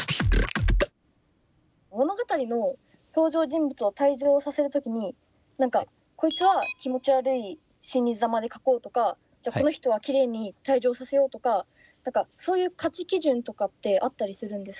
物語の登場人物を退場させる時に何かこいつは気持ち悪い死にざまで描こうとかじゃあこの人はきれいに退場させようとか何かそういう価値基準とかってあったりするんですか？